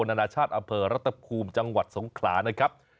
นานาชาติอำเภอรัตภูมิจังหวัดสงขลานะครับ